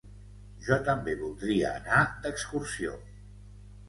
Jo també voldria anar d'excursió